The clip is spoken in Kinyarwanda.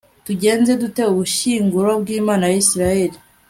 tugenze dute ubushyinguro bw'imana ya israheli